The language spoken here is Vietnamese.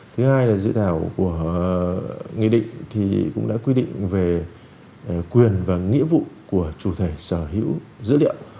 thứ hai là dự thảo của nghị định cũng đã quy định về quyền và nghĩa vụ của chủ thể sở hữu dữ liệu